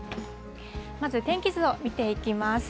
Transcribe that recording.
まず天気図を見ていきます。